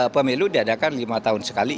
pemilu diadakan lima tahun sekali